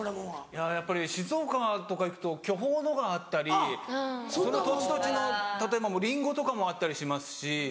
いややっぱり静岡とか行くと巨峰のがあったりその土地土地の例えばリンゴとかもあったりしますし。